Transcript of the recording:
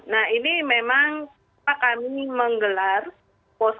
nah ini memang kami menggelas